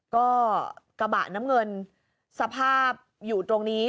ก็กระบะน้ำเงินสภาพอยู่ตรงนี้